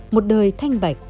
một đời thanh vạch